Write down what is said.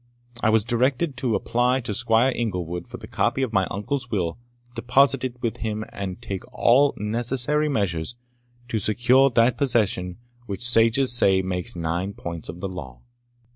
I was directed to apply to Squire Inglewood for the copy of my uncle's will deposited with him, and take all necessary measures to secure that possession which sages say makes nine points of the law.